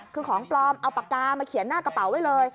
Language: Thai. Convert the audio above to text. คือของปลอมเอาปากกามาเขียนหน้ากระเป๋าไว้เลย